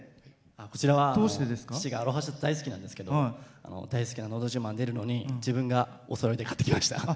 こちらは父がアロハシャツ大好きなんですけど大好きな「のど自慢」出るのに自分がオーストラリアで買ってきました。